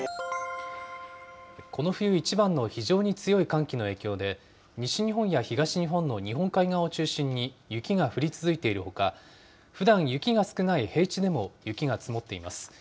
この冬一番の非常に強い寒気の影響で、西日本や東日本の日本海側を中心に雪が降り続いているほか、ふだん雪が少ない平地でも雪が積もっています。